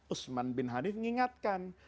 usman bin hanif mengingatkan